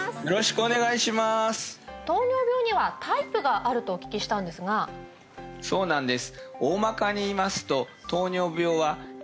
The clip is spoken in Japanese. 糖尿病にはタイプがあるとお聞きしたんですがそうなんです